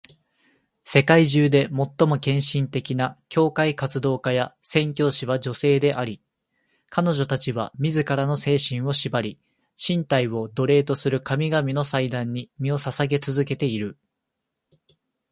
世界中で最も献身的な教会活動家や宣教師は女性であり、彼女たちは自らの精神を縛り、身体を奴隷とする神々の祭壇に身を捧げ続けている。